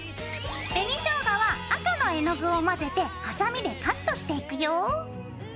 紅ショウガは赤の絵の具を混ぜてハサミでカットしていくよ。